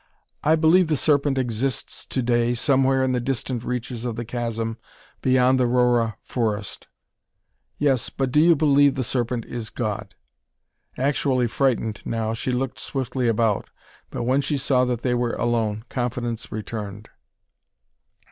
"I believe the Serpent exists to day, somewhere in the distant reaches of the chasm, beyond the Rorroh forest." "Yes, but do you believe the Serpent is God?" Actually frightened now, she looked swiftly about. But when she saw that they were alone, confidence returned.